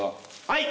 はい。